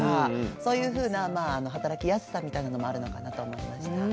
そういうふうなまあ働きやすさみたいなのもあるのかなと思いました。